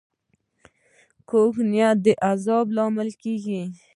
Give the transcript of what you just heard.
کوږ نیت د عذاب لامل کېږي